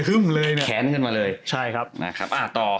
ขึ้มเลยเนี่ยใช่ครับอะต่อ